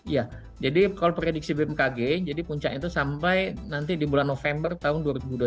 ya jadi kalau prediksi bmkg jadi puncak itu sampai nanti di bulan november tahun dua ribu dua puluh satu